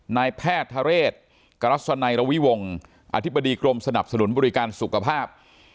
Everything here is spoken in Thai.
นายแพทย์ทะเรศกรัศนัยระวิวงศ์อธิบดีกรมสนับสนุนบริการสุขภาพ